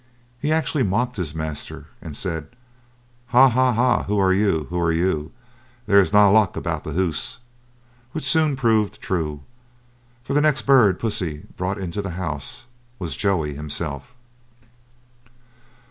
He actually mocked his master, and said, "Ha, ha, ha! who are you? Who are you? There is na luck aboot the hoose," which soon proved true, for the next bird Pussy brought into the house was Joey himself.